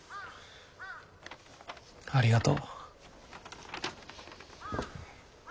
ありがとう。